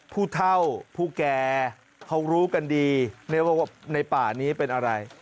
ผู้เท่าผู้แก่เขารู้กันดีว่าในป่านี้เป็นอะไร